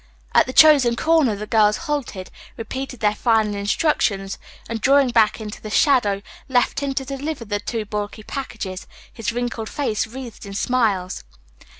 At the chosen corner the girls halted, repeated their final instructions, and drawing back into the shadow, left him to deliver the two bulky packages, his wrinkled face wreathed in smiles.